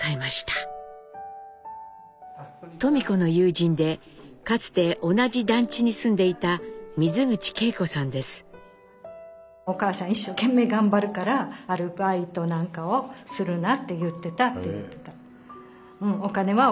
登美子の友人でかつて同じ団地に住んでいたお母さん一生懸命頑張るからアルバイトなんかをするなって言ってたと言ってた。